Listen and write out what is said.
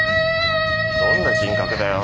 どんな人格だよ。